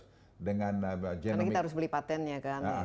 karena kita harus beli patentnya kan